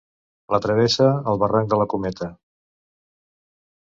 La travessa el barranc de la Cometa.